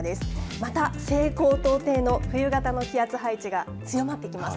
また西高東低の冬型の気圧配置が強まってきます。